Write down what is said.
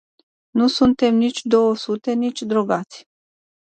Nu suntem nici două sute, nici drogați.